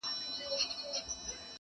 پخپل خنجر پاره پاره دي کړمه-